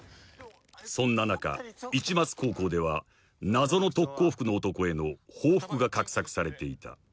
［そんな中市松高校では謎の特攻服の男への報復が画策されていた］